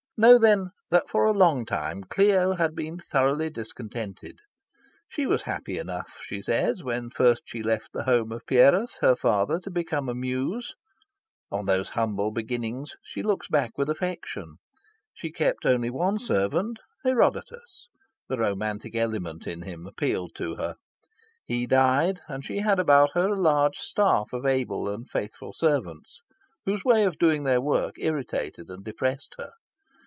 Know, then, that for a long time Clio had been thoroughly discontented. She was happy enough, she says, when first she left the home of Pierus, her father, to become a Muse. On those humble beginnings she looks back with affection. She kept only one servant, Herodotus. The romantic element in him appealed to her. He died, and she had about her a large staff of able and faithful servants, whose way of doing their work irritated and depressed her.